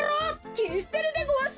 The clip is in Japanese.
きりすてるでごわす。